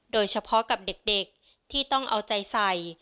โดยเฉพาะกับเด็กที่ต้องเอาใจใส่